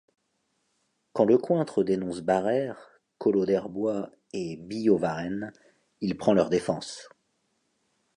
Quand Lecointre dénonce Barère, Collot d'Herbois et Billaud-Varenne, il prend leur défense.